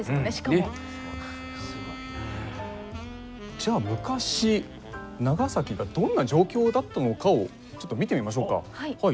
じゃあ昔長崎がどんな状況だったのかをちょっと見てみましょうか。